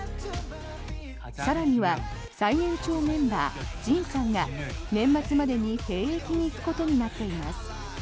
更には最年長メンバー、ＪＩＮさんが年末までに兵役に行くことになっています。